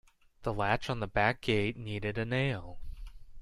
The latch on the back gate needed a nail.